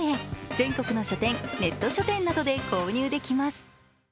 全国の書店、ネット書店などで購入できます。